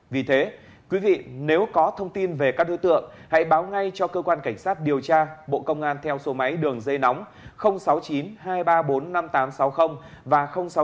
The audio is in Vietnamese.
vì thế quý vị nếu có thông tin về các đối tượng hãy báo ngay cho cơ quan cảnh sát điều tra bộ công an theo số máy đường dây nóng sáu mươi chín hai trăm ba mươi bốn năm nghìn tám trăm sáu mươi và sáu mươi chín hai trăm ba mươi hai một nghìn sáu trăm sáu mươi